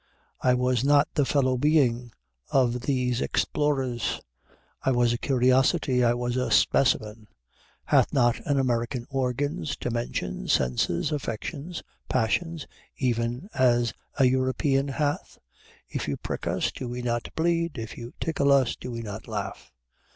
I was not the fellow being of these explorers: I was a curiosity; I was a specimen. Hath not an American organs, dimensions, senses, affections, passions even as a European hath? If you prick us, do we not bleed? If you tickle us, do we not laugh?